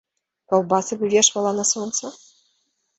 Каўбасы вывешвала на сонца?